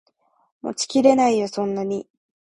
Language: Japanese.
持ちきれないよそんなに